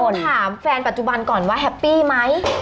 ถามแฟนปัจจุบันก่อนว่าแฮปปี้ไหม